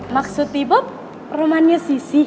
maksud ibu romannya sisi